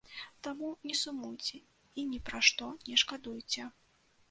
Таму не сумуйце і ні пра што не шкадуйце.